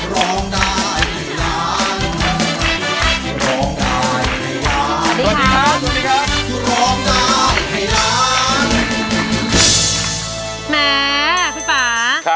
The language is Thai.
ร้องได้ให้ล้านบนเวทีเลยค่ะ